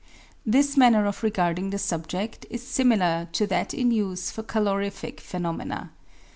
This manner of regarding the subjed is similar to that in use for calorific phenomena.